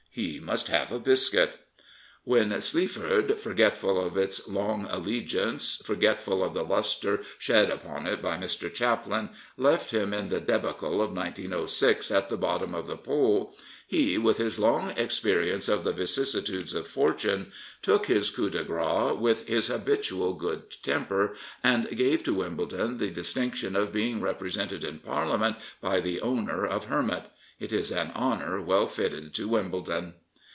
He must have a biscuit. ^^en Sleaford, forgetful of its long allegiance, forgetful of the lustre shed upon it by Mr. Chaplin, left him in the debdcle of 1906 at the bottom of the poll, he, with his long experience of the vicissitudes 218 Henry Chaplin of fortune, took his coup de grdce with his habitual good temper, and gave to Wimbledon the distinction of being represented in Parliament by the owner of Hermit. It is an honour well fitted to Wimbledon.